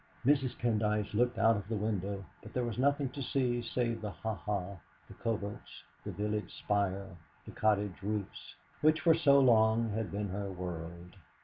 Mrs. Pendyce looked out of the window, but there was nothing to see save the ha ha, the coverts, the village spire, the cottage roofs, which for so long had been her world.